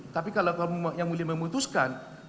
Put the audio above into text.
tapi kalau kamu yang mulia memutuskan